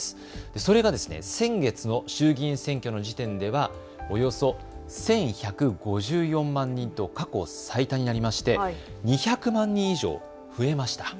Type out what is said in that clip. それが、先月の衆議院選挙の時点ではおよそ１１５４万人と過去最多になりまして２００万人以上増えました。